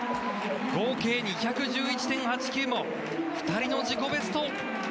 合計２１１・８９２人の自己ベスト。